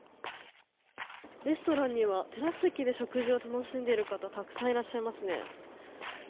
レストランにはテラス席で食事を楽しんでいる方たくさんいらっしゃいますね。